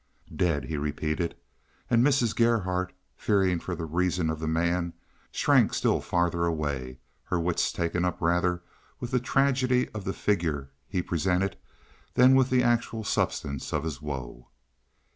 "Dead!" he repeated, and Mrs. Gerhardt, fearing for the reason of the man, shrank still farther away, her wits taken up rather with the tragedy of the figure he presented than with the actual substance of his woe.